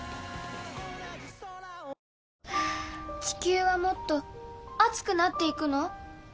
地球はもっと熱くなっていくの？